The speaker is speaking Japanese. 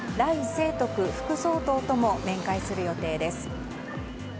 清徳副総統とも面会する予定です。